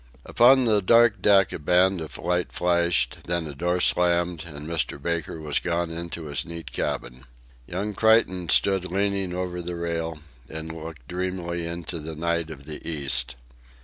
Upon the dark deck a band of light flashed, then a door slammed, and Mr. Baker was gone into his neat cabin. Young Creighton stood leaning over the rail, and looked dreamily into the night of the East.